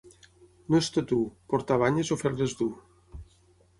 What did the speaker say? No és tot u, portar banyes o fer-les dur.